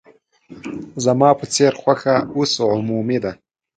زما په څېر خوښه اوس عمومي ده.